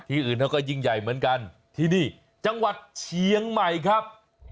อื่นเขาก็ยิ่งใหญ่เหมือนกันที่นี่จังหวัดเชียงใหม่ครับ